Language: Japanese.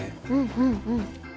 うんうん。